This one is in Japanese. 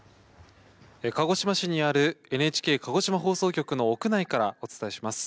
鹿児島市にあるＮＨＫ鹿児島放送局の屋内からお伝えします。